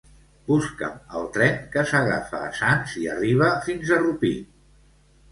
Busca'm el tren que s'agafa a Sants i arriba fins a Rupit.